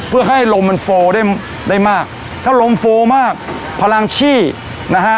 เพื่อให้ลมมันโฟลได้ได้มากถ้าลมโฟลมากพลังชี่นะฮะ